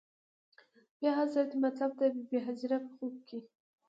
بیا حضرت مطلب ته بې بي هاجره په خوب کې.